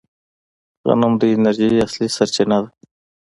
غنم د انرژۍ اصلي سرچینه ده.